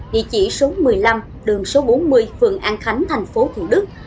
địa chỉ số một mươi năm đường số bốn mươi phường an khánh tp thủ đức